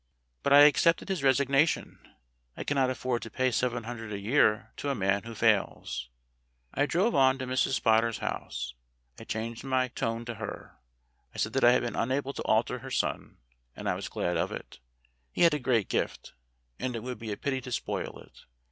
But I accepted his resig 64 STORIES WITHOUT TEARS nation. I cannot afford to pay seven hundred a year to a man who fails. I drove on to Mrs. Spotter's house. I changed my tone to her. I said that I had been unable to alter her son, and I was glad of it. He had a great gift, and it would be a pity to spoil it.